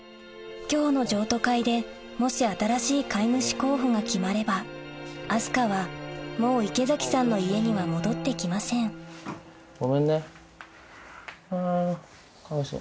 今日の譲渡会でもし新しい飼い主候補が決まれば明日香はもう池崎さんの家には戻って来ませんごめんねあぁかわいそう。